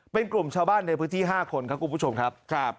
เป็นกลุ่มชาวบ้านในพื้นที่๕คนครับคุณผู้ชมครับ